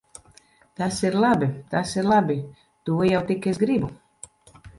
Tas ir labi! Tas ir labi! To jau tik es gribu.